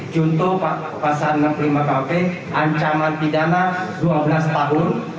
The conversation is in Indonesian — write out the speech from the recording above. contoh pasal enam puluh lima kuhp ancaman pidana dua belas tahun